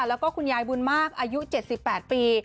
แล้วก็คุณยายบุญมากอายุเจ็ดสิบแปดปี